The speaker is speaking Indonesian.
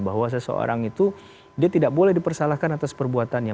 bahwa seseorang itu dia tidak boleh dipersalahkan atas perbuatannya